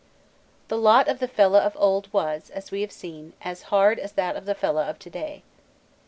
The lot of the fellah of old was, as we have seen, as hard as that of the fellah of to day.